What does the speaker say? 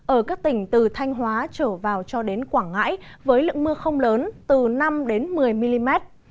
ở các tỉnh từ thanh hóa trở vào cho đến quảng ngãi với lượng mưa không lớn từ năm một mươi mm